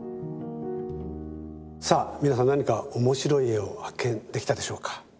さあ皆さん何か面白い絵を発見できたでしょうか？